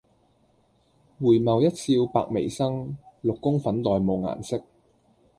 回眸一笑百媚生，六宮粉黛無顏色。